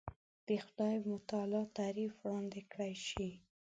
د خدای متعالي تعریف وړاندې کړای شي.